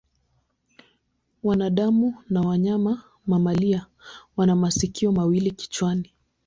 Wanadamu na wanyama mamalia wana masikio mawili kichwani.